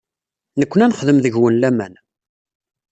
Nekkni ad nexdem deg-wen laman.